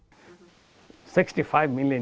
enam puluh lima juta populasi muda